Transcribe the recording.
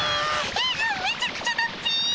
絵がめちゃくちゃだっピ！